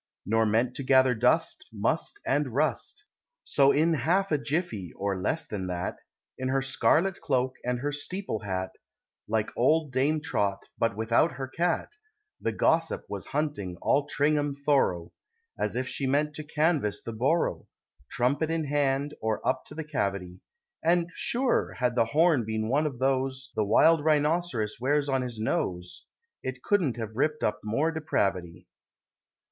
Nor meant to gather dust, must and rust; So in half a jiffy, or less than that, In her scarlet cloak and her steeple hat, Like old Dame Trot, but without her cat, The Gossip was hunting all Tringham thorough, As if she meant to canvass the borough, Trumpet in hand, or up to the cavity; And, sure, had the horn been one of those The wild Rhinoceros wears on his nose, It couldn't have ripped up more depravity!